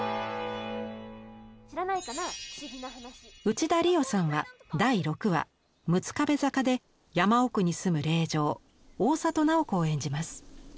内田理央さんは第６話「六壁坂」で山奥に住む令嬢大郷楠宝子を演じます。